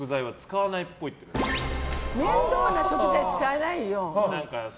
面倒な食材使わないよ。